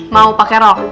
mau pakai rok